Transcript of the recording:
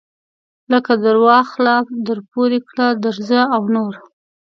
لکه درواخله درپورې کړه درځه او نور.